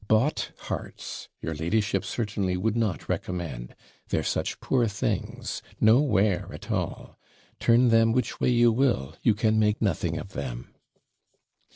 Bought hearts your ladyship certainly would not recommend. They're such poor things no wear at all. Turn them which way you will, you can make nothing of them.'